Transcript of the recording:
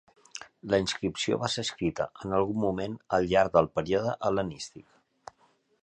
La inscripció va ser escrita en algun moment al llarg del període hel·lenístic.